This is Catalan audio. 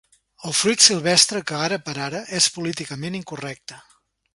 El fruit silvestre que, ara per ara, és políticament incorrecte.